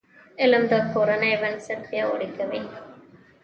علم د کورنۍ بنسټ پیاوړی کوي.